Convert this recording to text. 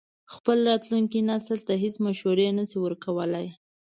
خپل راتلونکي نسل ته هېڅ مشورې نه شي ورکولای.